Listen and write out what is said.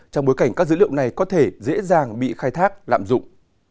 trong bối cảnh các dữ liệu này có thể dễ dàng bị khai thác lạm dụng